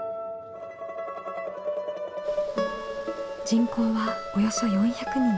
人口はおよそ４００人。